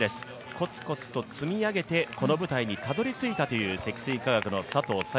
コツコツと積み上げてこの舞台にたどり着いたという積水化学の佐藤早